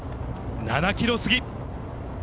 ７キロ過ぎ。